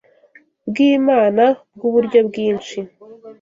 bw’Imana bw’uburyo bwinshi”